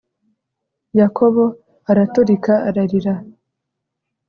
yakobo araturika ararira